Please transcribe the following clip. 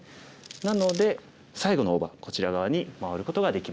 なので最後の大場こちら側に回ることができます。